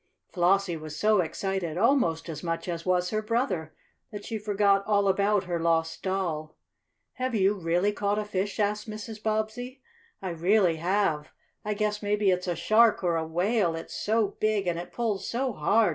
Flossie was so excited almost as much as was her brother that she forgot all about her lost doll. "Have you really caught a fish?" asked Mrs. Bobbsey. "I really have! I guess maybe it's a shark or a whale, it's so big, and it pulls so hard!"